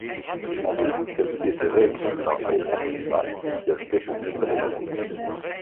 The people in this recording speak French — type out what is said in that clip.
Ensuite celle-ci était réécrite par Alexandre Dumas qui ajoutait son style romanesque.